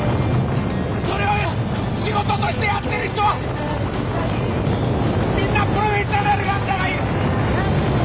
それを仕事としてやってる人はみんなプロフェッショナルなんじゃない。